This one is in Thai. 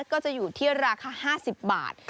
ก็จะอยู่ที่ราคา๕๐บาท